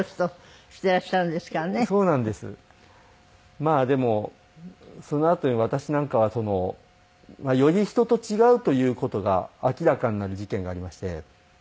まあでもそのあとに私なんかはそのより人と違うという事が明らかになる事件がありまして。